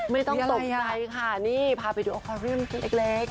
ไม่ต้องตกใจค่ะนี่พาไปดูโอคอเรียมชุดเล็ก